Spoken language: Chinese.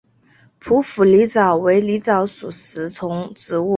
匍匐狸藻为狸藻属食虫植物。